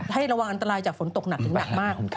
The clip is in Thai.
ให้ระวังอันตรายจากฝนตกหนักถึงหนักมาก